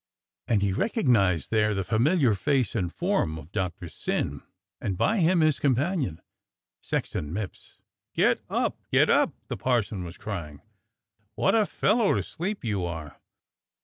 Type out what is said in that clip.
And he recognized there the familiar face and form of Doctor Syn, and by him his companion. Sexton ]Mipps. " Get up ! Get up !" the parson was crying. "What a fellow to sleep you are